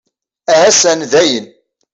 Ahasan dayen!